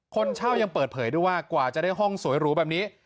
คนเช่ายังเปิดเผยด้วยว่ากว่าจะได้ห้องสวยหรูแบบนี้